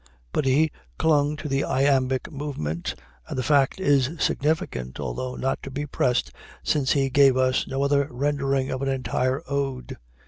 But he clung to the iambic movement, and the fact is significant, although not to be pressed, since he gave us no other rendering of an entire ode.